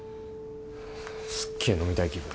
すっげえ飲みたい気分。